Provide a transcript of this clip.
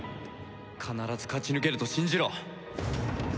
必ず勝ち抜けると信じろ！